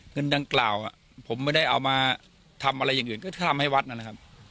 เงินดังกล่าวผมไม่ได้เอามาทำอะไรอย่างอื่นก็จะทำให้วัดนะครับ